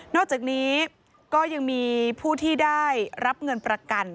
อกจากนี้ก็ยังมีผู้ที่ได้รับเงินประกัน